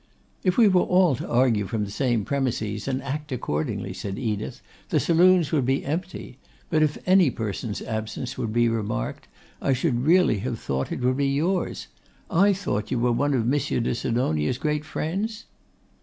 'If we were all to argue from the same premises, and act accordingly,' said Edith, 'the saloons would be empty. But if any person's absence would be remarked, I should really have thought it would be yours. I thought you were one of Monsieur de Sidonia's great friends?